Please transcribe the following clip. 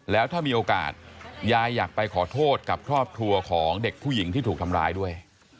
แล้วถ้ามีโอกาสยายอยากไปขอโทษกับครอบครัวของเด็กผู้หญิงที่ถูกทำร้ายด้วย